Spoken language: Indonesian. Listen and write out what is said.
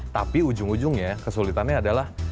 tapi ujung ujungnya kesulitannya adalah